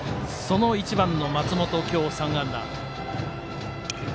１番の松本、今日３安打。